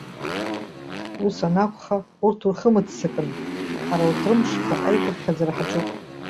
Ус анакәха, урҭ урхымыццакын, ҳара урҭ рымшқәа аиқәыԥхьаӡара ҳаҿуп.